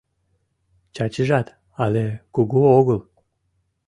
Чачижат але кугу огыл.